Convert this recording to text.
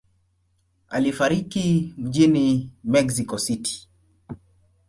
Alifariki mjini Mexico City.